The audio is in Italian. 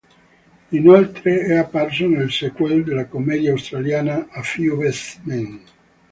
Inoltre è apparso nel sequel della commedia australiana "A Few Best Men.